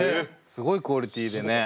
すごいクオリティーでねうん。